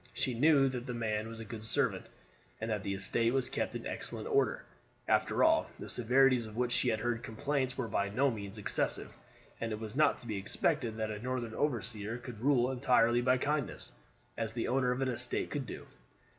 She knew that the man was a good servant, and that the estate was kept in excellent order. After all, the severities of which she had heard complaints were by no means excessive; and it was not to be expected that a Northern overseer could rule entirely by kindness, as the owner of an estate could do.